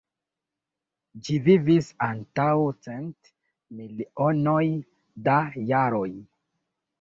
Ĝi vivis antaŭ cent milionoj da jaroj.